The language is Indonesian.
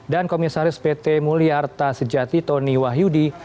dan komisaris pt muliarta sejati tony wahyudi